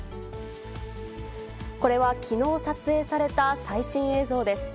これはきのう撮影された最新映像です。